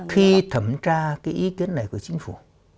khi thẩm tra cái ý kiến này của chính phủ